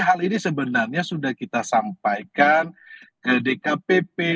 hal ini sebenarnya sudah kita sampaikan ke dkpp